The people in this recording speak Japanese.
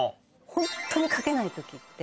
本当に書けないときって。